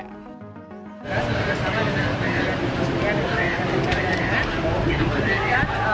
lima ratus paket sembako yang nilainya sekitar rp dua